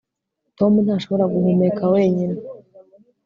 Tom ntashobora guhumeka wenyine